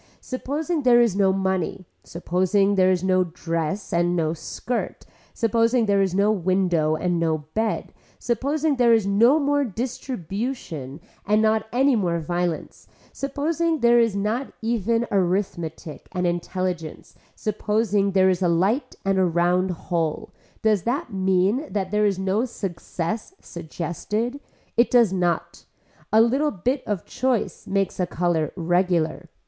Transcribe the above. Supposing there is no money, supposing there is no dress and no skirt, supposing there is no window and no bed, supposing there is no more distribution and not any more violence, supposing there is not even arithmetic and intelligence, supposing there is a light and a round hole, does that mean that there is no success suggested. It does not. A little bit of choice makes a color regular.